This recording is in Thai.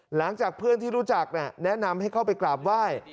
หลังจากเพื่อนที่รู้จักแนะนำให้เข้าไปกราบไหว้